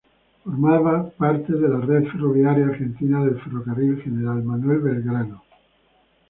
Formaba parte de la red ferroviaria argentina del Ferrocarril General Manuel Belgrano.